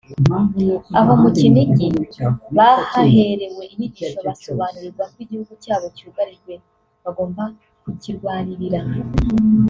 Aho mu Kinigi bahaherewe inyigisho basobanurirwa ko igihugu cyabo cyugarijwe bagomba kukirwanirira